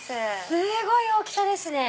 すごい大きさですね。